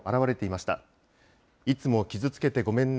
いつも傷つけてごめんね。